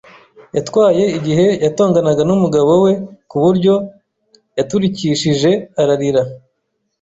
Yatwaye igihe yatonganaga n'umugabo we ku buryo yaturikishije ararira.